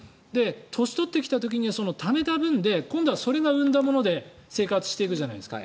年取ってきた時にはためた分で今度はそれが生んだ分で生活していくじゃないですか。